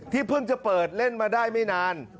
เพิ่งจะเปิดเล่นมาได้ไม่นาน